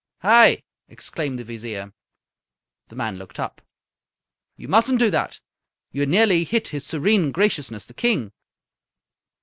"Hi!" exclaimed the Vizier. The man looked up. "You mustn't do that! You nearly hit his serene graciousness the King!"